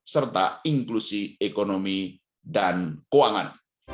serta inklusi ekonomi dan keuangan